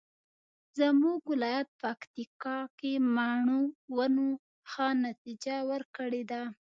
زمونږ ولایت پکتیکا کې مڼو ونو ښه نتیجه ورکړې ده